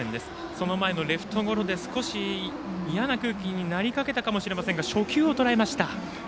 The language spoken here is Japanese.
その前のレフトゴロで少し嫌な空気になりかけたかもしれませんが初球をとらえました。